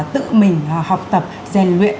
tự mình học tập rèn luyện